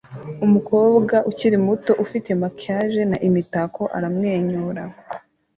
Umukobwa ukiri muto ufite maquillage na imitako aramwenyura